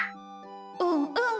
うんうん。